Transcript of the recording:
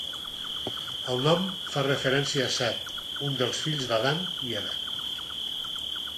El nom fa referència a Set, un dels fills d'Adam i Eva.